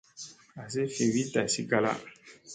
Asi fi wi tasi kala.